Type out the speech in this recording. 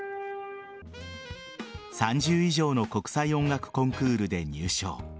３０以上の国際音楽コンクールで入賞。